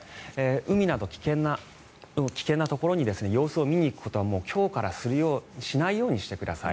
海など危険なところに様子を見に行くことは今日からしないようにしてください。